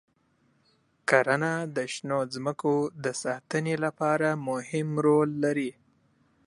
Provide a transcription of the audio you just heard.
کرنه د شنو ځمکو د ساتنې لپاره مهم رول لري.